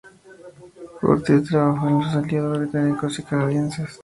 Curtiss trabajó con los aliados británicos y canadienses.